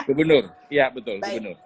gubernur iya betul